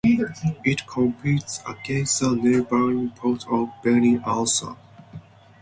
It competes against the neighbouring port of Beni Ansar (Nador).